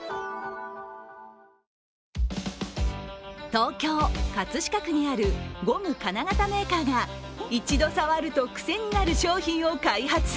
東京・葛飾区にあるゴム金型メーカーが一度触ると癖になる商品を開発。